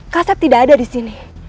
kasep tidak ada disini